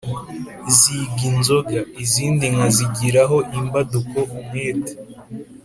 ziga ingoga: izindi nka zigiraho imbaduko, umwete